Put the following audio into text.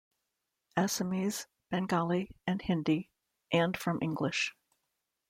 Assamese, Bengali and Hindi, and from English.